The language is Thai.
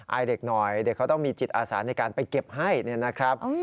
อายเด็กหน่อยเด็กเขาต้องมีจิตอาสาในการไปเก็บให้เนี่ยนะครับ